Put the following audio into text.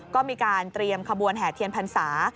ก็มีการเตรียมขบวนแห่เทียนพรรษา